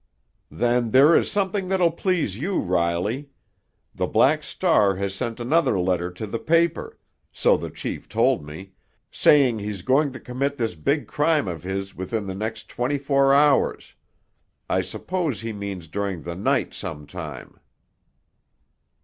"Then here is something that'll please you, Riley. The Black Star has sent another letter to a paper, so the chief told me, saying he's going to commit this big crime of his within the next twenty four hours. I suppose he means during the night some time."